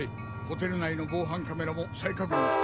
ホテル内の防犯カメラも再確認だ。